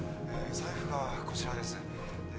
財布がこちらですえ